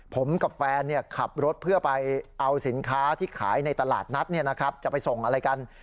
ผมกับแฟนขับรถเพื่อไปเอาสินค้าที่ขายในตลาดนัดจะไปส่งอะไรกัน